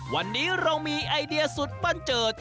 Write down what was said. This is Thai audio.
วันนี้เรามีไอเดียสุดบันเจิด